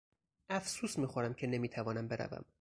افسوس میخورم که نمیتوانم بروم.